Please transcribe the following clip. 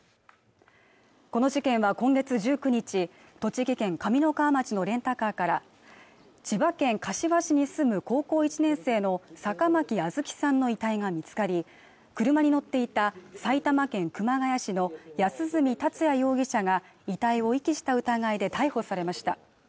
この事件は今月１９日栃木県上三川町のレンタカーから千葉県柏市に住む高校１年生の坂巻杏月さんの遺体が見つかり車に乗っていた埼玉県熊谷市の安栖達也容疑者が遺体を遺棄した疑いで逮捕されました